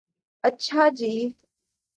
اچھا جی